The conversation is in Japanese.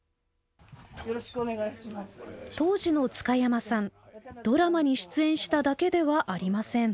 当時の津嘉山さんドラマに出演しただけではありません。